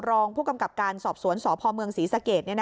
รองผู้กำกับการสอบสวนสพเมืองศรีสะเกด